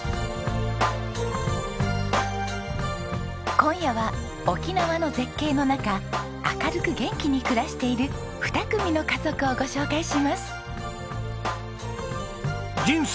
今夜は沖縄の絶景の中明るく元気に暮らしている２組の家族をご紹介します。